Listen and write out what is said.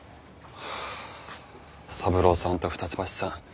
はぁ三郎さんと二ツ橋さん